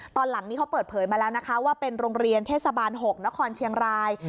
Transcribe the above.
หลังนี้เขาเปิดเผยมาแล้วนะคะว่าเป็นโรงเรียนเทศบาล๖นครเชียงราย